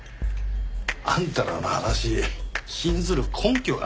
あんたらの話信ずる根拠がないからな。